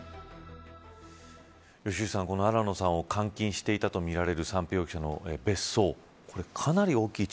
良幸さん、この新野さんを監禁していたとみられる三瓶容疑者の別荘。